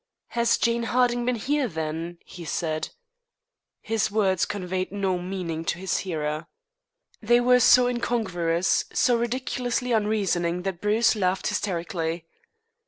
"Has Jane Harding been here, then?" he said. His words conveyed no meaning to his hearer. They were so incongruous, so ridiculously unreasoning, that Bruce laughed hysterically.